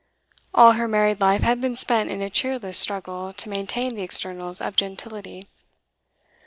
All her married life had been spent in a cheerless struggle to maintain the externals of gentility.